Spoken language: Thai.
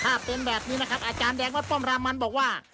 ถ้าเป็นแบบนี้นะครับอาจารย์แดงวัดป้อมรามันบอกว่า